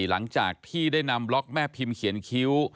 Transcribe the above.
หลังจากที่ได้นำบล็อกแม่พิมพ์เขียนคิ้ว